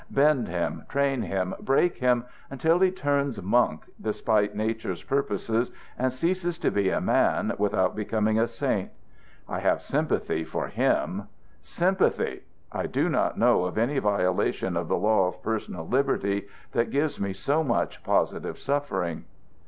Bend him, train him, break him, until he turns monk despite nature's purposes, and ceases to be a man without becoming a saint. I have sympathy for him. Sympathy! I do not know of any violation of the law of personal liberty that gives me so much positive suffering."